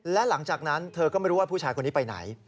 และหลังจากนั้นเธอก็ไม่รู้ว่าผู้ชายคนนี้ไปไหน